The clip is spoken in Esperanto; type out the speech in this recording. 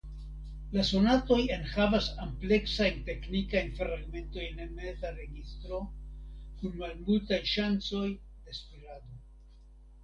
La sonatoj enhavas ampleksajn teknikajn fragmentojn en meza registro kun malmultaj ŝancoj de spirado.